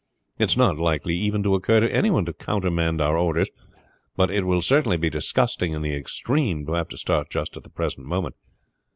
It is not likely even to occur to any one to countermand our orders, but it will certainly be disgusting in the extreme to have to start just at the present moment."